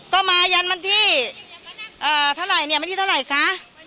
ก็มายันวันที่เท่าไหร่เนี่ยวันที่เท่าไหร่คะ